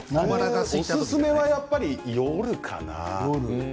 おすすめはやっぱり夜かな？